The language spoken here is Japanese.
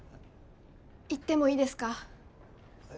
言ってもいいですか？